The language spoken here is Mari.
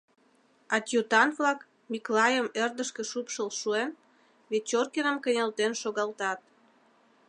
Адьютант-влак, Миклайым ӧрдыжкӧ шупшыл шуэн, Вечоркиным кынелтен шогалтат.